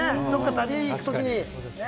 旅に行く時に。